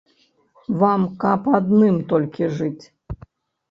Вам каб адным толькі жыць!